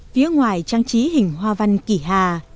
phía ngoài trang trí hình hoa văn kỷ hà